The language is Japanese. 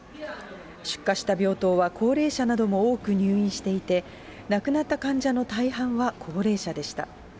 出火した病棟は高齢者なども多く入院していて、亡くなった患者の大半は高齢者でした。